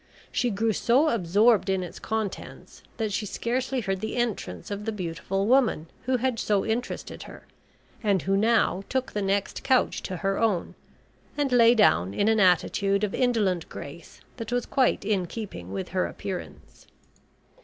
She grew so absorbed in its contents, that she scarcely heard the entrance of the beautiful woman who had so interested her, and who now took the next couch to her own, and lay down in an attitude of indolent grace that was quite in keeping with her appearance.